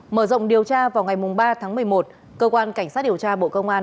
mở rộng điều tra vào ngày ba tháng một mươi một cơ quan cảnh sát điều tra bộ công an